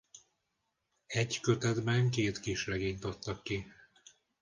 Egy kötetben két kisregényt adtak ki.